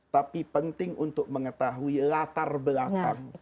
tapi penting untuk mengetahui latar belakang